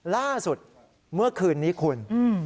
ล่าสุดเมื่อคืนนี้คุณ